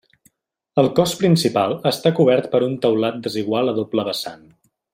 El cos principal està cobert per un teulat desigual a doble vessant.